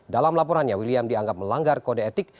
dalam laporannya william dianggap melanggar kode etik